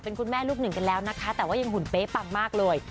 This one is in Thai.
เป็นคุณแม่ลูกหนึ่งกันแล้วนะคะแต่ว่ายังหุ่นเป๊ะปังมากเลย